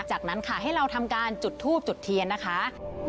จากนั้นค่ะให้เราทำการจุดทูบจุดเทียนนะคะ